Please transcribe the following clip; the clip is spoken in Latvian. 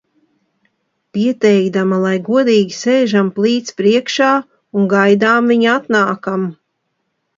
Pieteikdama, lai godīgi sēžam plīts priekšā un gaidām viņu atnākam.